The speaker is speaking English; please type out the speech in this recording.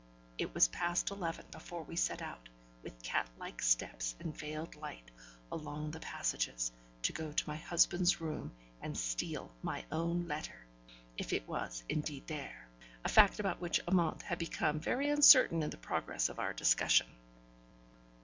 It was past eleven before we set out, with cat like steps and veiled light, along the passages, to go to my husband's room and steal my own letter, if it was indeed there; a fact about which Amante had become very uncertain in the progress of our discussion.